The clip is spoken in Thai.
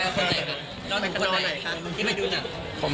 นอนด้วยคนไหนคะที่ไปดูหนัง